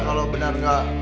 kalau benar nggak